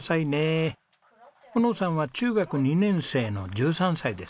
穂の生さんは中学２年生の１３歳です。